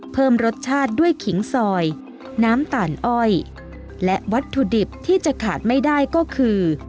เพิ่มรสชาติด้วยขิงซอยน้ำตาลอ้อยและวัตถุดิบที่จะขาดไม่ได้ก็คือ